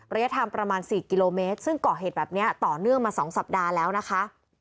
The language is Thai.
ระยะทางประมาณ๔กิโลเมตรซึ่งก่อเหตุแบบนี้ต่อเนื่องมา๒สัปดาห์แล้วนะคะ